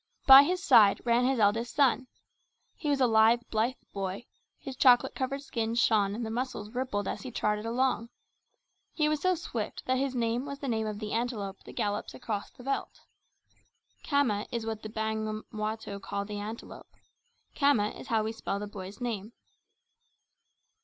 By his side ran his eldest son. He was a lithe, blithe boy; his chocolate coloured skin shone and the muscles rippled as he trotted along. He was so swift that his name was the name of the antelope that gallops across the veldt. Cama is what the Bamangwato call the antelope. Khama is how we spell the boy's name.